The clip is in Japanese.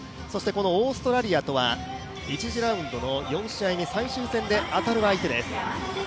このオーストラリアとは１次ラウンドの４試合目、最終戦で当たる相手です。